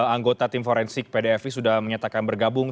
anggota tim forensik pdfi sudah menyatakan bergabung